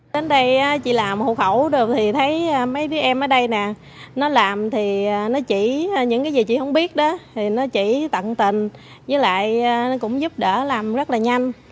đến đây chị làm hộ khẩu được thì thấy mấy đứa em ở đây nè nó làm thì nó chỉ những cái gì chị không biết đó thì nó chỉ tận tình với lại nó cũng giúp đỡ làm rất là nhanh